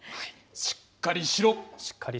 しっかりしろ。